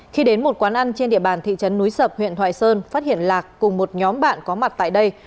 khi đến một quán ăn trên địa bàn thị trấn núi sập huyện thoại sơn phát hiện lạc cùng một nhóm bạn có mặt tại đây